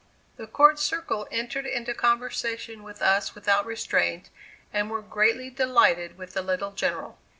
The court circle entered into conversation with us without restraint, and were greatly delighted with the little General.